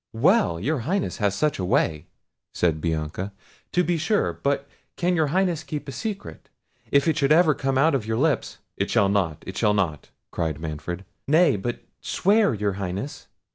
"Well! your Highness has such a way!" said Bianca, "to be sure—but can your Highness keep a secret? if it should ever come out of your lips—" "It shall not, it shall not," cried Manfred. "Nay, but swear, your Highness."